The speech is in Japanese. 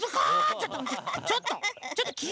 ちょっと！